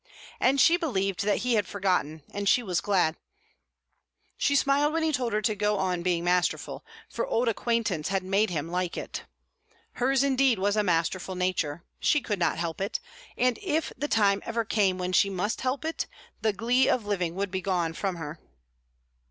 And she believed that he had forgotten, and she was glad. She smiled when he told her to go on being masterful, for old acquaintance had made him like it. Hers, indeed, was a masterful nature; she could not help it; and if the time ever came when she must help it, the glee of living would be gone from her.